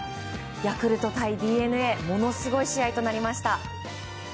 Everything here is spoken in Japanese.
ヤクルト対ＤｅＮＡものすごい試合となりました。